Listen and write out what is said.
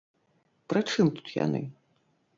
Пры чым тут яны?